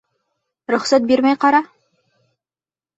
Рөхсәт бирмәй ҡара!